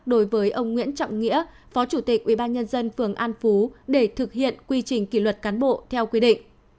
đối với ông nguyễn trọng nghĩa phó chủ tịch ubnd phường an phú để thực hiện quy trình kỷ luật cán bộ theo quy định